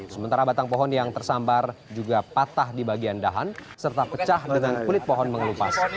sementara batang pohon yang tersambar juga patah di bagian dahan serta pecah dengan kulit pohon mengelupas